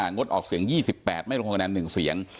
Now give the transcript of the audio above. งดออกเสียง๒๘ไม่ลงคะแนน๑เสียง